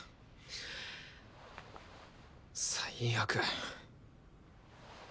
最悪。